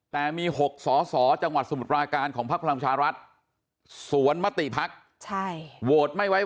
แต่มีหกสอสอจังหวัดสมุทรรากาญของพักพลังประชารัฐสวนมติภักดิ์